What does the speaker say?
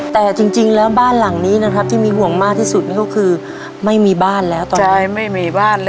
แต่จริงแล้วบ้านหลังนี้นะครับที่มีห่วงมากที่สุดนี่ก็คือไม่มีบ้านแล้วตอนนี้ไม่มีบ้านแล้ว